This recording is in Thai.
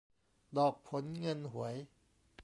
ดอกผลเงินหวย